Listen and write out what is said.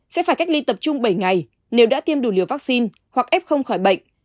sẽ phải cách ly tập trung bảy ngày nếu đã tiêm đủ liều vaccine hoặc ép không khỏi bệnh